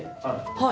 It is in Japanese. はい。